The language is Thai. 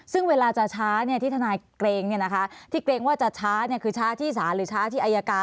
ซึ่งเวลาจะช้าที่ทนายเกรงที่เกรงว่าจะช้าคือช้าที่ศาลหรือช้าที่อายการ